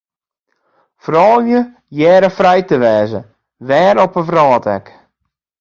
Froulju hearre frij te wêze, wêr op 'e wrâld ek.